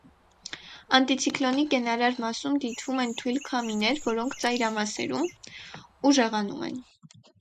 Անտիցիկլոնի կենարար մասում դիտվում են թույլ քամիներ, որոնք ծայրամասերում ուժեղանում են։